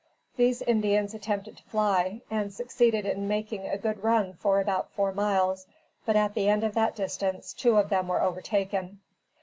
These Indians attempted to fly, and succeeded in making a good run for about four miles, but, at the end of that distance, two of them were overtaken.